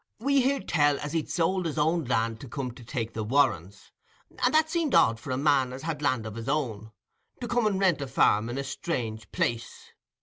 We heared tell as he'd sold his own land to come and take the Warrens, and that seemed odd for a man as had land of his own, to come and rent a farm in a strange place.